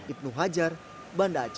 ibn hajar banda aceh